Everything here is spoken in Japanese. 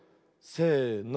せの。